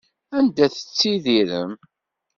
Anda tettttidirem?